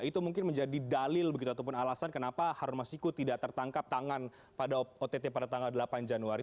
itu mungkin menjadi dalil begitu ataupun alasan kenapa harun masiku tidak tertangkap tangan pada ott pada tanggal delapan januari